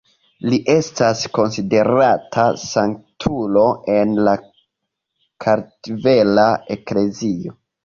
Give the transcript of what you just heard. Li estas konsiderata sanktulo en la Kartvela Eklezio.